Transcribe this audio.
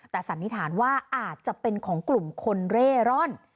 แต่สันนิษฐานว่าอาจจะเป็นของกลุ่มคนเร่ร่อน